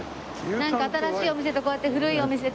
なんか新しいお店とこうやって古いお店と。